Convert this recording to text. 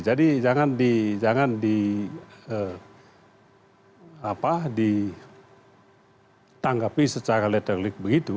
jadi jangan ditanggapi secara letterlik begitu